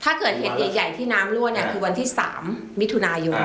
ถ้าเกิดเหตุใหญ่ที่น้ำรั่วเนี่ยคือวันที่๓มิถุนายน